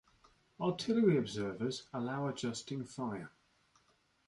Artillery observers allow adjusting fire.